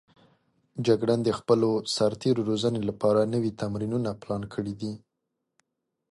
جګړن د خپلو سرتېرو روزنې لپاره نوي تمرینونه پلان کړي دي.